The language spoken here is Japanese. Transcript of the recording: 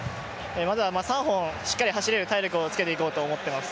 まずは３本しっかり走れる体力をつけていこうと思ってます。